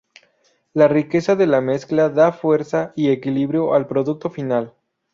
La riqueza de la mezcla da fuerza y equilibrio al producto final.